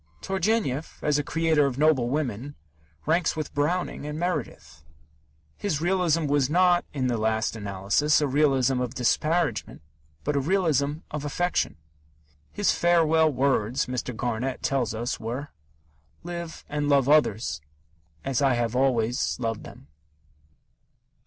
Turgenev, as a creator of noble women, ranks with Browning and Meredith. His realism was not, in the last analysis, a realism of disparagement, but a realism of affection. His farewell words, Mr. Garnett tells us, were: "Live and love others as I have always loved them."